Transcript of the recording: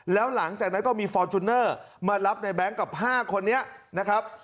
แล้วหลังจากนั้นก็มีฟอร์จูเนอร์มารับในแบงค์กับ๕คนนี้นะครับ